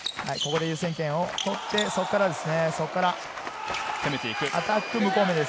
ここで優先権を取って、そこからですね。